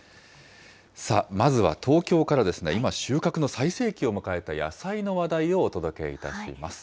さあ、まずは東京からですね、今、収穫の最盛期を迎えた野菜の話題をお届けいたします。